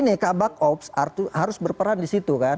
nah ini kabak ops harus berperan di situ kan